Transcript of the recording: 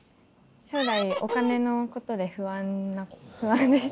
将来お金のことで不安です。